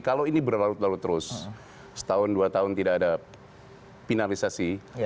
kalau ini berlarut larut terus setahun dua tahun tidak ada finalisasi